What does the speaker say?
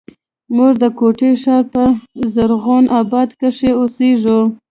موږ د کوټي ښار په زرغون آباد کښې اوسېږو